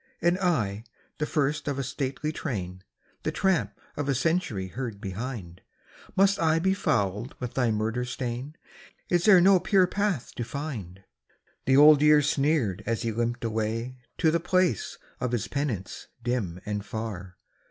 " And I, the first of a stately train, The tramp of a century heard behind, Must I be fouled with thy murder stain? Is there no pure path to find? " The Old Year sneered as he limped away To the place of his penance dim and far.